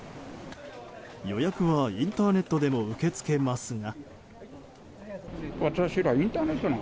予約はインターネットでも受け付けますが。